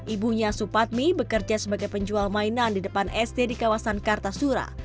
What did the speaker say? ibunya supatmi bekerja sebagai penjual mainan di depan sd di kawasan kartasura